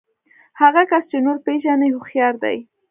هغه کس چې نور پېژني هوښيار دی.